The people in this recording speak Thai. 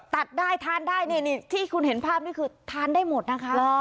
ตัดได้ทานได้นี่ที่คุณเห็นภาพนี่คือทานได้หมดนะคะ